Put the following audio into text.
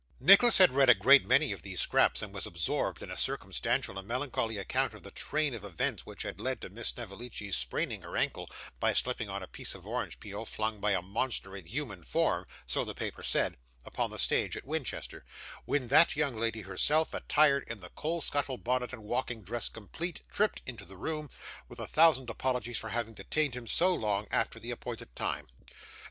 Nicholas had read a great many of these scraps, and was absorbed in a circumstantial and melancholy account of the train of events which had led to Miss Snevellicci's spraining her ankle by slipping on a piece of orange peel flung by a monster in human form, (so the paper said,) upon the stage at Winchester, when that young lady herself, attired in the coal scuttle bonnet and walking dress complete, tripped into the room, with a thousand apologies for having detained him so long after the appointed time.